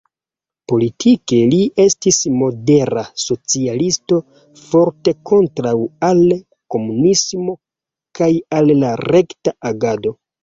Politike li estis modera socialisto, forte kontraŭa al komunismo kaj al la rekta agado.